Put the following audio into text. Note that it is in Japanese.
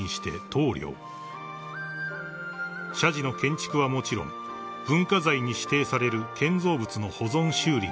［社寺の建築はもちろん文化財に指定される建造物の保存修理に腕を振るってきた］